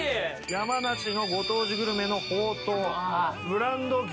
山梨のご当地グルメのほうとうブランド牛